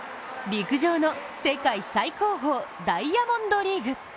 陸上の世界最高峰、ダイヤモンドリーグ。